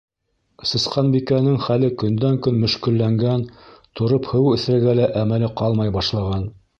Сысҡанбикәнең хәле көндән-көн мөшкөлләнгән, тороп һыу эсергә лә әмәле ҡалмай башлаған.